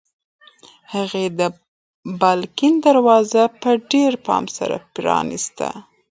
هغې د بالکن دروازه په ډېر پام سره پرانیسته.